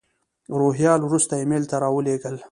روهیال وروسته ایمیل ته را ولېږل.